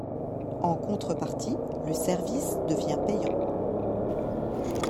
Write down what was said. En contrepartie, le service devient payant.